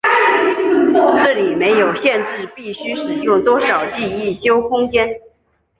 这里没有限制必须使用多少记忆体空间。